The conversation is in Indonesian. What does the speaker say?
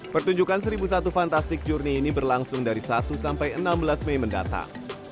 pertunjukan seribu satu fantastik journey ini berlangsung dari satu sampai enam belas mei mendatang